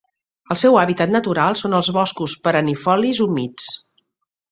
El seu hàbitat natural són els boscos perennifolis humits.